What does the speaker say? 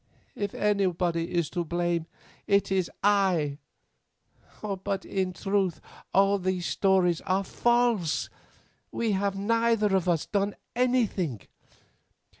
If anybody is to blame it is I; but in truth all those stories are false; we have neither of us done anything."